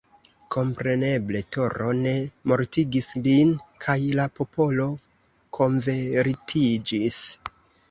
Kompreneble Toro ne mortigis lin, kaj la popolo konvertiĝis.